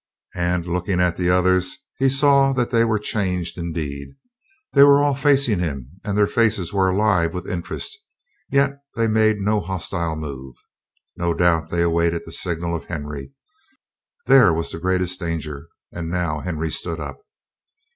And looking at the others, he saw that they were changed, indeed. They were all facing him, and their faces were alive with interest; yet they made no hostile move. No doubt they awaited the signal of Henry; there was the greatest danger; and now Henry stood up.